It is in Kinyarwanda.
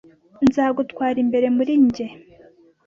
Nzagutwara imbere muri njye!